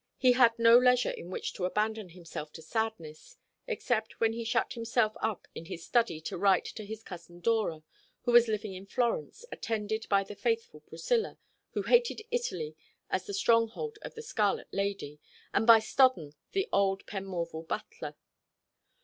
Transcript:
He had no leisure in which to abandon himself to sadness; except when he shut himself up in his study to write to his cousin Dora, who was living in Florence, attended by the faithful Priscilla, who hated Italy as the stronghold of the Scarlet Lady, and by Stodden, the old Penmorval butler.